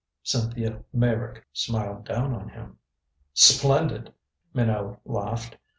Cynthia Meyrick smiled down on him. "Splendid," Minot laughed.